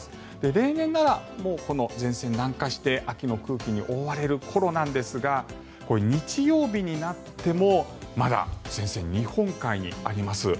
例年ならもうこの前線、南下して秋の空気に覆われる頃なんですが日曜日になっても、まだ前線日本海にあります。